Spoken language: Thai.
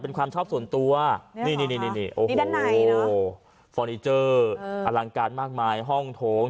เป็นความชอบส่วนตัวนี่นี่ด้านไหนเนอะอลังการมากมายห้องโถง